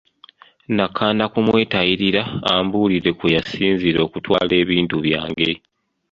Nakanda kumwetayirira ambuulire kwe yasinziira okutwala ebintu byange.